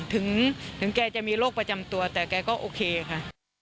ถึงแกจะมีโรคประจำตัวแต่แกก็โอเคค่ะ